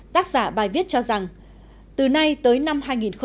tác giả bài viết cho rằng từ nay tới năm hai nghìn hai mươi